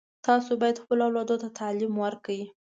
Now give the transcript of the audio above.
تاسو باید خپلو اولادونو ته تعلیم ورکړئ